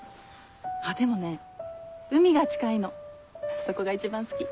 あっでもね海が近いのそこが一番好き。